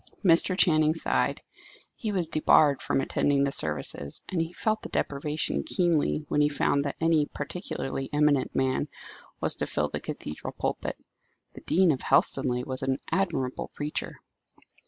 Mr. Channing sighed. He was debarred from attending the services, and he felt the deprivation keenly when he found that any particularly eminent man was to fill the cathedral pulpit. The dean of Helstonleigh was an admirable preacher.